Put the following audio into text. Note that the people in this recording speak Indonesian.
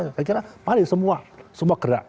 saya kira paling semua semua gerak